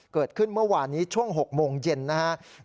เกิดขึ้นเมื่อวานนี้ช่วง๖โมงเย็นนะครับ